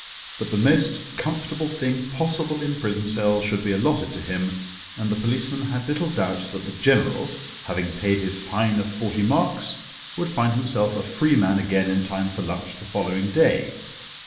But the most comfortable thing possible in prison cells should be allotted to him, and the policeman had little doubt that the General, having paid his fine of forty marks, would find himself a free man again in time for lunch the following day.